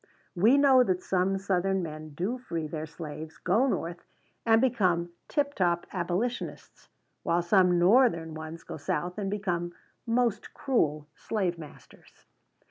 We know that some Southern men do free their slaves, go North, and become tip top Abolitionists; while some Northern ones go South, and become most cruel slavemasters.